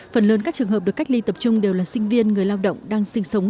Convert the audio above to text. phần lớn các trường hợp được cách ly tập trung đều là sinh viên người lao động đang sinh sống